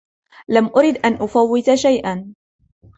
لم أرد أن أفوّت شيئا.